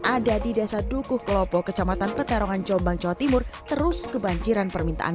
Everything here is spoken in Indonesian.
ada di desa dukuh kelopo kecamatan petarongan jombang jawa timur terus kebanciran permintaan